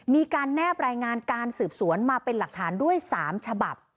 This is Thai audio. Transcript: มีการแนบรายงานการสืบสวนมาเป็นหลักฐานด้วย๓ฉบับ